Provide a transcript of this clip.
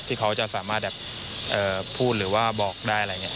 เขาจะสามารถแบบพูดหรือว่าบอกได้อะไรอย่างนี้